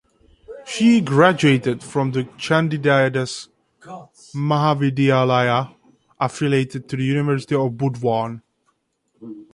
She graduated from the Chandidas Mahavidyalaya affiliated to the University of Burdwan.